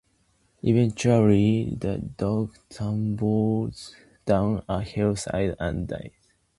Eventually, the dog tumbles down a hillside and dies.